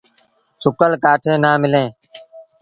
سُڪل ڪآٺيٚن نا مليٚن۔